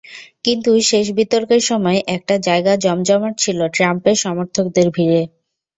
কিন্তু শেষ বিতর্কের সময় একটা জায়গা জমজমাট ছিল ট্রাম্পের সমর্থকদের ভিড়ে।